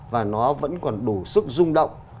và nó vẫn còn đủ sức rung động